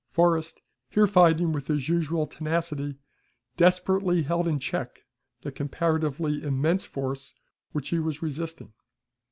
Forrest, here fighting with his usual tenacity, desperately held in check the comparatively immense force which he was resisting.